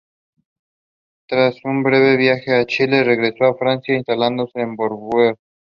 Tras un breve viaje a Chile regresó a Francia, instalándose en Burdeos.